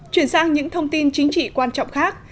chuyển sang những thông tin chính trị quan trọng khác